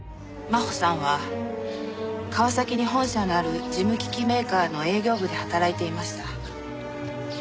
真穂さんは川崎に本社のある事務機器メーカーの営業部で働いていました。